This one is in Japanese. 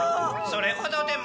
それほどでも。